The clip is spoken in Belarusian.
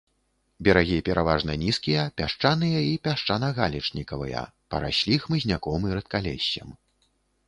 Берагі пераважна нізкія, пясчаныя і пясчана-галечнікавыя, параслі хмызняком і рэдкалессем.